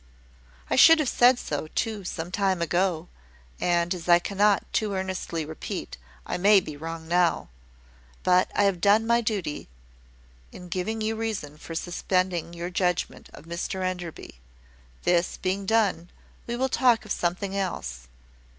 "I should have said so, too, some time ago: and as I cannot too earnestly repeat, I may be wrong now. But I have done my duty in giving you reason for suspending your judgment of Mr Enderby. This being done, we will talk of something else.